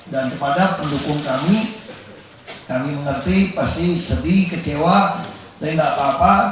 dan kepada pendukung kami kami mengerti pasti sedih kecewa tapi tidak apa apa